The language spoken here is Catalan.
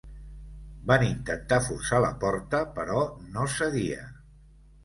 Van intentar forçar la porta, però no cedia.